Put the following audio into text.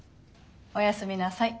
おやすみなさい。